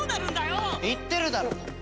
言ってるだろ。